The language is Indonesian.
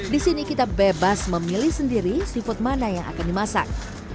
di sini kita bebas memilih sendiri seafood mana yang akan dimasak